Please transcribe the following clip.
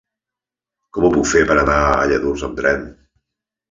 Com ho puc fer per anar a Lladurs amb tren?